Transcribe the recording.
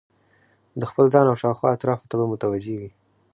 د خپل ځان او شاوخوا اطرافو ته به متوجه وي